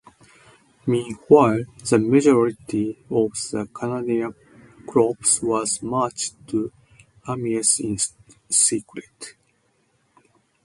Meanwhile, the majority of the Canadian Corps was marched to Amiens in secret.